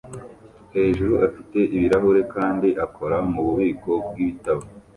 hejuru afite ibirahure kandi akora mububiko bwibitabo